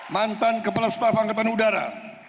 mantan kepala staf angkatan udara